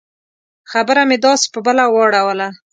خبره مې داسې په بله واړوله.